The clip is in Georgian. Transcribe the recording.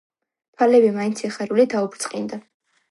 თვალები მაინც სიხარულით აუბრწყინდა.